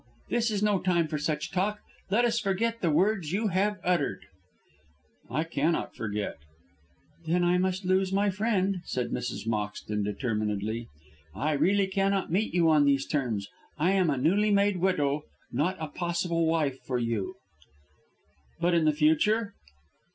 This is no time for such talk. Let us forget the words you have uttered." "I cannot forget." "Then I must lose my friend," said Mrs. Moxton, determinedly. "I really cannot meet you on these terms. I am a newly made widow, not a possible wife for you." "But in the future?"